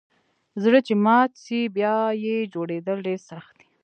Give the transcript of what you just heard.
زړه چي مات سي بیا یه جوړیدل ډیر سخت دئ